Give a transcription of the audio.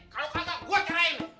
kalo kagak gue cari cari